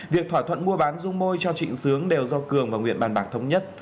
việc thỏa thuận mua bán rung môi cho trịnh sướng đều do cường và nguyện bàn bạc thống nhất